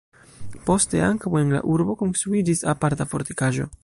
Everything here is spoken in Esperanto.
Poste ankaŭ en la urbo konstruiĝis aparta fortikaĵo.